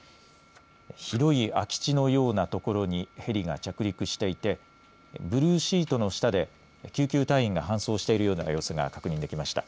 広い空き地のようなところにヘリが着陸していてブルーシートの下で救急隊員が搬送しているような様子が確認できました。